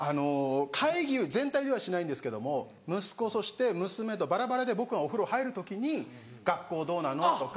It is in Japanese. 会議全体ではしないんですけども息子そして娘とバラバラで僕がお風呂入る時に「学校どうなの？」とか。